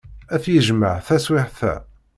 Ad t-yejmeɛ taswiɛt-a.